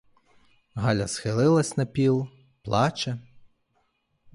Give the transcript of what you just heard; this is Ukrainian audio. Галя схилилась на піл, плаче.